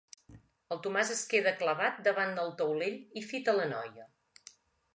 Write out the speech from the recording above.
El Tomàs es queda clavat davant del taulell i fita la noia.